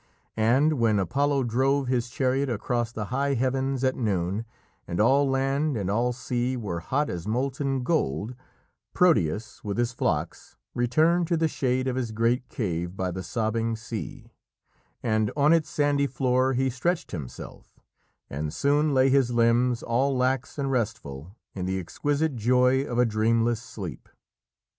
And when Apollo drove his chariot across the high heavens at noon, and all land and all sea were hot as molten gold, Proteus with his flocks returned to the shade of his great cave by the sobbing sea, and on its sandy floor he stretched himself, and soon lay, his limbs all lax and restful, in the exquisite joy of a dreamless sleep.